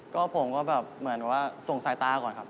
ก็ผมก็แบบเหมือนว่าส่งสายตาก่อนครับ